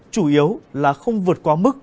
chủ yếu là không vượt qua mức là ba mươi bốn độ